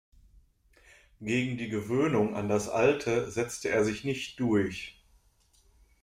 Gegen die „Gewöhnung“ an das alte setzte er sich nicht durch.